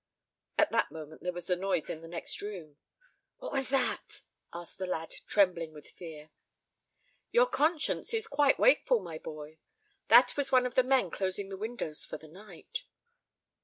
At that moment there was a noise in the next room. "What was that?" asked the lad, trembling with fear. "Your conscience is quite wakeful, my boy. That was one of the men closing the windows for the night."